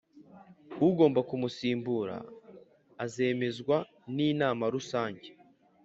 Ugomba kumusimbura azemezwa n Inama Rusange